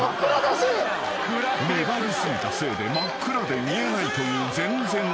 ［粘り過ぎたせいで真っ暗で見えないという全然おいしくないバンジー］